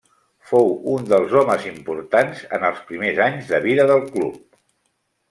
Fou un dels homes importants en els primers anys de vida del club.